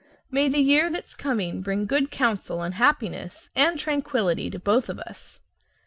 May the year that's coming bring good counsel and happiness and tranquillity to both of us!